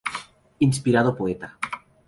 Inspirado poeta.